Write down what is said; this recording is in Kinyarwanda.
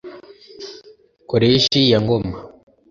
Koleji ya Ngoma